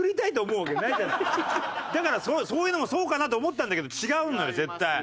だからそういうのもそうかなと思ったんだけど違うのよ絶対。